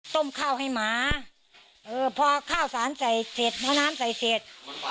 ต้มข้าวให้หมาเออพอข้าวสารใส่เสร็จพอน้ำใส่เสร็จ